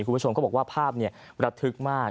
คุณผู้ชมเขาบอกว่าภาพระทึกมาก